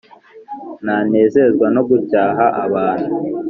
ntanezezwa no gucyaha abantu